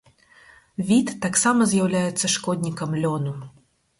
Від таксама з'яўляецца шкоднікам лёну.